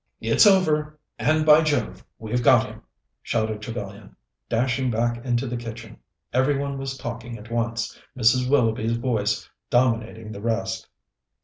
"It's over, and, by Jove, we've got him!" shouted Trevellyan, dashing back into the kitchen. Every one was talking at once, Mrs. Willoughby's voice dominating the rest.